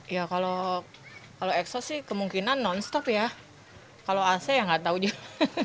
ya kalau ekso sih kemungkinan non stop ya kalau ac ya nggak tahu juga